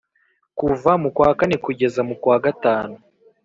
kuva mu kwa kane kugeza mu kwa gatanu